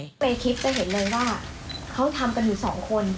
ในคลิปจะเห็นเลยว่าเขาทำกันอยู่สองคน